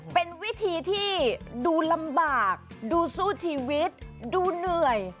เป็นวิธีที่ดูลำบากดูสู้ชีวิตดูเหนื่อย